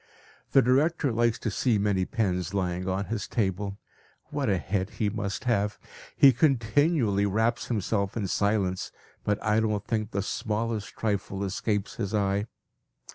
The director likes to see many pens lying on his table. What a head he must have! He continually wraps himself in silence, but I don't think the smallest trifle escapes his eye.